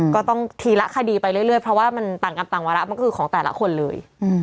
ก็ต้องทีละคดีไปเรื่อยเพราะว่ามันต่างกรรมต่างวาระมันคือของแต่ละคนเลย